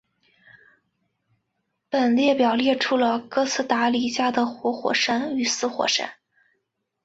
本列表列出了哥斯达黎加的活火山与死火山。